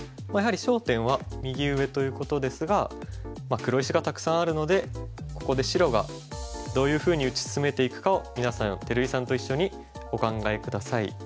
やはり焦点は右上ということですが黒石がたくさんあるのでここで白がどういうふうに打ち進めていくかを皆さん照井さんと一緒にお考え下さい。